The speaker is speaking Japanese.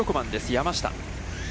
山下。